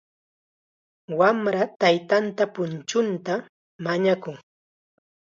Wamra taytanta punchuta mañakun.